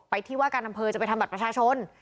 ที่ว่าการอำเภอจะไปทำบัตรประชาชน